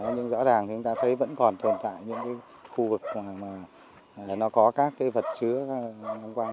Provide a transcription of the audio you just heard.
nhưng rõ ràng thì chúng ta thấy vẫn còn thồn tại những khu vực mà nó có các cái vật chứa long quăng